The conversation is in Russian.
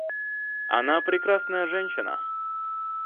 Она прекрасная женщина.